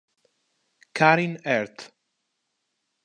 Karin Ertl